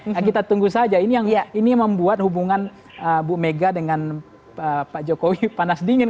nah kita tunggu saja ini yang membuat hubungan bu mega dengan pak jokowi panas dingin